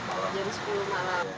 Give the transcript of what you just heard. jam sepuluh malam